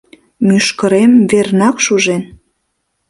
— Мӱшкырем, вернак, шужен.